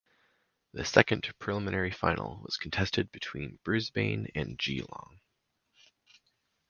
The second preliminary final was contested between Brisbane and Geelong.